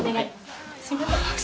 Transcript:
すみません。